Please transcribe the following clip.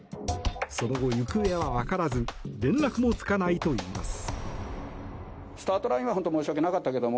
その後、行方は分からず連絡もつかないといいます。